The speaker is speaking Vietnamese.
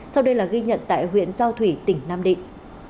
sau đây là ghi nhận tại huyện giao thủy tỉnh nam định